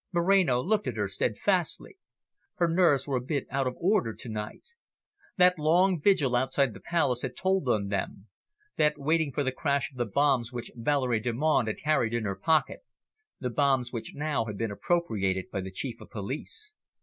Moreno looked at her steadfastly. Her nerves were a bit out of order to night. That long vigil outside the Palace had told on them that waiting for the crash of the bombs which Valerie Delmonte had carried in her pocket, the bombs which now had been appropriated by the Chief of Police.